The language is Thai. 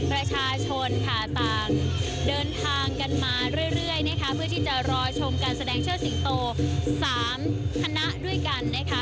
ประชาชนค่ะต่างเดินทางกันมาเรื่อยนะคะเพื่อที่จะรอชมการแสดงเชิดสิงโต๓คณะด้วยกันนะคะ